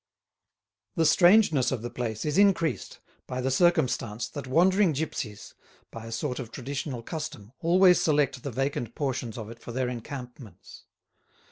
The strangeness of the place is increased by the circumstance that wandering gipsies, by a sort of traditional custom always select the vacant portions of it for their encampments.